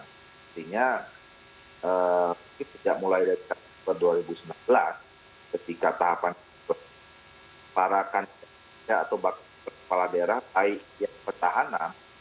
maksudnya mungkin sejak mulai dari tahun dua ribu sembilan belas ketika tahapan parakan atau bakal kepala daerah baik yang pertahanan